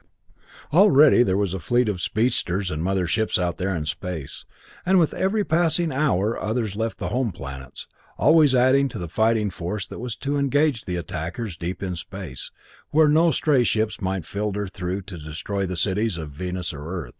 Already there was a fleet of speedsters and mother ships out there in space, and with every passing hour others left the home planets, always adding to the fighting force that was to engage the attackers deep in space, where no stray ships might filter through to destroy the cities of Earth or Venus.